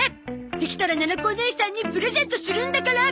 できたらななこおねいさんにプレゼントするんだから！